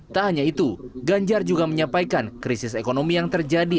tak hanya itu ganjar juga menyampaikan krisis ekonomi yang terjadi